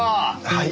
はい？